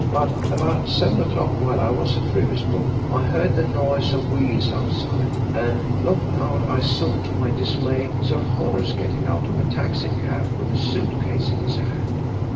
But about 7 o'clock, while I was at Riversbrook, I heard the noise of wheels outside, and looking out, I saw to my dismay Sir Horace getting out of a taxi cab with a suit case in his hand.